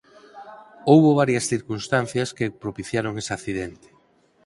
Houbo varias circunstancias que propiciaron ese accidente.